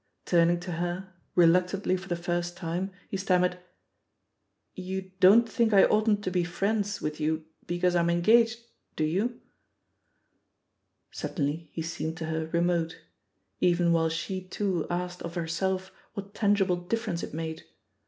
Turning to her, reluctantly for the first time, he stammered: "You don't think I oughtn't to be friends you because I'm engaged, do you?" $14 THE POSITION OF PEGGY HARPER Suddenly he seemed to her remote — even while she too asked of herself what tangible difference it made.